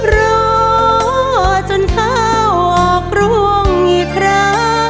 รอจนเท้าออกร่วงอีกครา